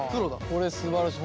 これすばらしい。